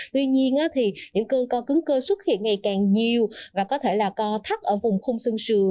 tuy nhiên thì những cơn co cứng cơ xuất hiện ngày càng nhiều và có thể là co thắt ở vùng khung xương